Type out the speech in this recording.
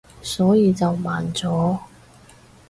所以就慢咗